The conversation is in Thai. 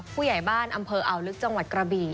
ผู้ใหญ่บ้านอำเภออ่าวลึกจังหวัดกระบี่